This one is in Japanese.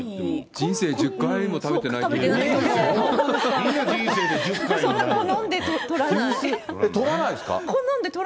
人生１０回も食べてない気がする。